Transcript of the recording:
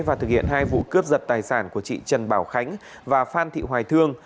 và thực hiện hai vụ cướp giật tài sản của chị trần bảo khánh và phan thị hoài thương